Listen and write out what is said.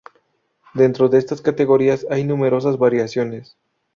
Dentro de estas categorías hay numerosas variaciones.